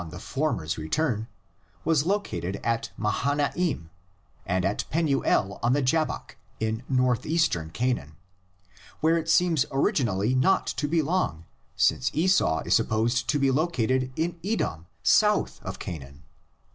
97 former's return was located at Mahanaim and at Penuel on the Jabbok (in Northeastern Canaan), where it seems originally not to belong, since Esau is supposed to be located in Edom, south of Canaan.